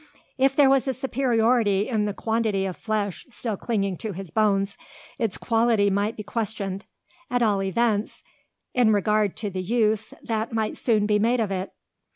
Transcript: If there was a superiority in the quantity of flesh still clinging to his bones, its quality might be questioned, at all events, in regard to the use that might soon be made of it.